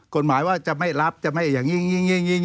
ว่าจะไม่รับจะไม่อย่างนี้